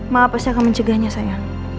mama pasti akan mencegahnya sayang